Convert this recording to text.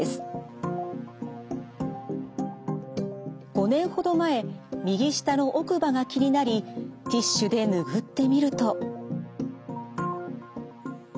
５年ほど前右下の奥歯が気になりティッシュで拭ってみると。